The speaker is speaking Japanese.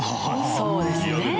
そうですね。